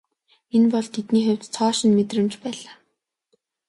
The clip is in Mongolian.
Энэ бол тэдний хувьд цоо шинэ мэдрэмж байлаа.